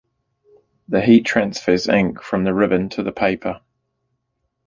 The heat transfers ink from the ribbon to the paper.